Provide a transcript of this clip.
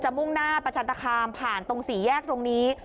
จะมุ่งหน้าประชาติธรรมผ่านตรงศรีแยกตรงนี้